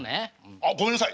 あっごめんなさい。